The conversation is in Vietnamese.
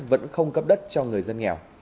vẫn không cấp đất cho người dân nghèo